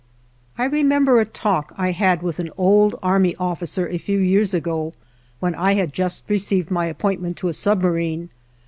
I remember a talk I had with an old army officer a few years ago, when I had just received my appointment to a submarine.